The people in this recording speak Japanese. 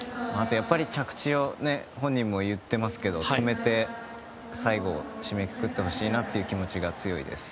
あと、本人も言っていますが着地を止めて最後、締めくくってほしいなという気持ちが強いです。